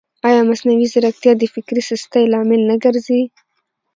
ایا مصنوعي ځیرکتیا د فکري سستۍ لامل نه ګرځي؟